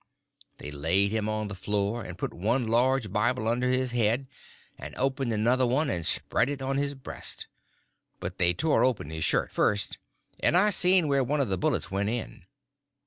They laid him on the floor and put one large Bible under his head, and opened another one and spread it on his breast; but they tore open his shirt first, and I seen where one of the bullets went in.